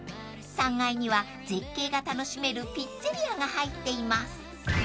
３階には絶景が楽しめるピッツェリアが入っています］